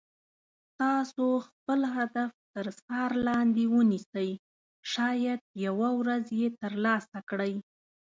تاسو خپل هدف تر څار لاندې ونیسئ شاید یوه ورځ یې تر لاسه کړئ.